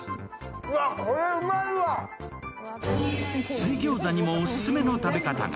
水餃子にもオススメの食べ方が。